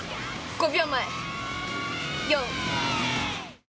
５秒前、４、３。